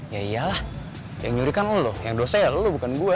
ya iyalah yang nyurikan lo yang dosa ya lo bukan gue